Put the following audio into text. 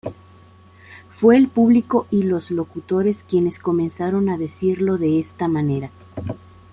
Fue el público y los locutores quienes comenzaron a decirlo de esta manera.